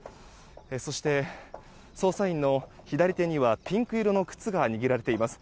そして、捜査員の左手にはピンク色の靴が握られています。